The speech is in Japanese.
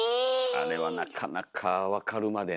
あれはなかなか分かるまでね。